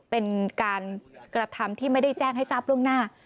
เป็นการกระทำที่ไม่ได้แจ้งให้ทราบล่วงหน้า